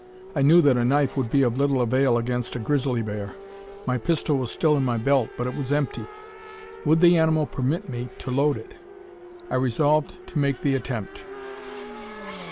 I knew that a knife would be of little avail against a grizzly bear. My pistol was still in my belt, but it was empty. Would the animal permit me to load it? I resolved to make the attempt.